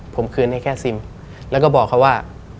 ผมคืนให้แค่ซิมแล้วก็บอกเขาว่า